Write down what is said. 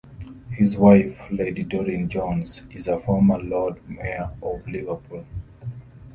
His wife, Lady Doreen Jones, is a former Lord Mayor of Liverpool.